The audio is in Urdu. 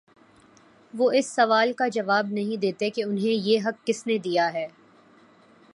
وہ اس سوال کا جواب نہیں دیتے کہ انہیں یہ حق کس نے دیا ہے۔